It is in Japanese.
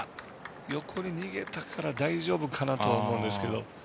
横に逃げたから大丈夫かなと思うんですけど。